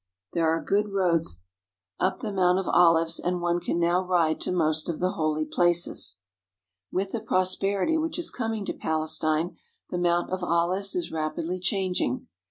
There are good roads up 125 THE HOLY LAND AND SYRIA the Mount of Olives, and one can now ride to most of the holy places. With the prosperity which is coming to Palestine the Mount of Olives is rapidly changing.